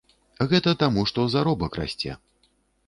Гэта таму, што заробак расце.